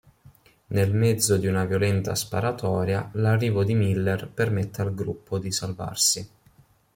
Nel mezzo di una violenta sparatoria, l'arrivo di Miller permette al gruppo di salvarsi.